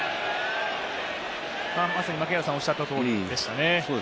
まさに槙原さんおっしゃったとおりでしたね。